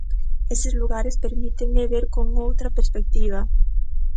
Eses lugares permíteme ver con outra perspectiva.